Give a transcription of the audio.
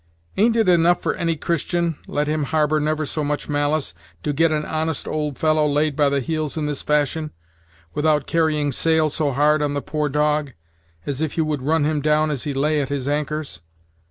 Ain't it enough for any Christian, let him harbor never so much malice, to get an honest old fellow laid by the heels in this fashion, without carrying sail so hard on the poor dog, as if you would run him down as he lay at his anchors?